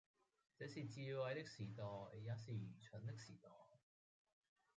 這是智慧的時代，也是愚蠢的時代，